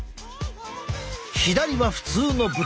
左は普通の豚。